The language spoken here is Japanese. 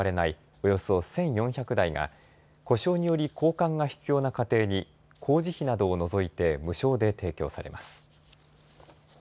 およそ１４００台が故障により交換が必要な家庭に工事費などを除いて無償で提供されます。